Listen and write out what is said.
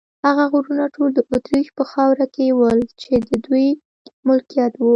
هغه غرونه ټول د اتریش په خاوره کې ول، چې د دوی ملکیت و.